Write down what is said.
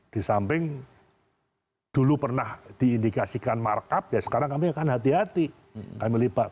di samping dulu pernah diindikasikan markup ya sekarang kami akan hati hati kami lebat